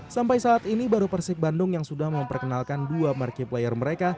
sampai saat ini baru persib bandung yang sudah memperkenalkan dua marquee player mereka